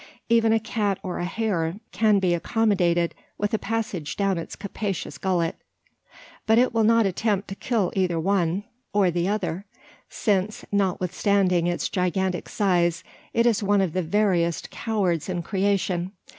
Even a cat or a hare can be accommodated with a passage down its capacious gullet; but it will not attempt to kill either one or the other: since, notwithstanding its gigantic size, it is one of the veriest cowards in creation.